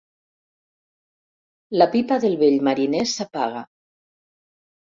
La pipa del vell mariner s'apaga.